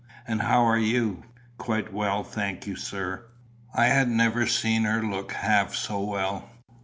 "And how are you?" "Quite well, thank you, sir." I had never seen her look half so well.